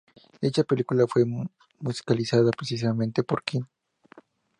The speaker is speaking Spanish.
Dicha película fue musicalizada precisamente por Queen.